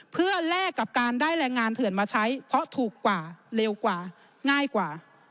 เพื่อแลกกับการได้แรงงานเถื่อนมาใช้เพราะถูกกว่าเร็วกว่าง่ายกว่า